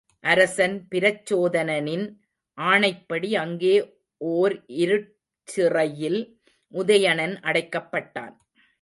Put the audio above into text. அரசன் பிரச்சோதனனின் ஆணைப்படி அங்கே ஓர் இருட்சிறையில் உதயணன் அடைக்கப்பட்டான்.